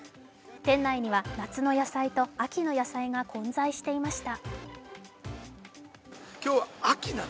店内には夏の野菜と秋の野菜が混在していました。